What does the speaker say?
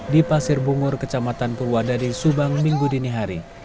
di pasir bungur kecamatan purwadadi subang minggu dini hari